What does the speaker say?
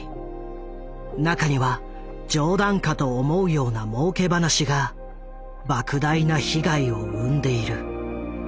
中には冗談かと思うようなもうけ話がばく大な被害を生んでいる。